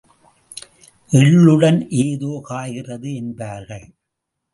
எள்ளுடன் ஏதோ காய்கிறது என்பார்கள்.